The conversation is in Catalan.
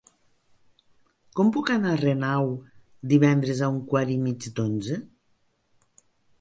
Com puc anar a Renau divendres a un quart i mig d'onze?